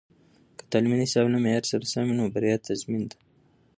که تعلیمي نصاب له معیار سره سم وي، نو بریا تضمین ده.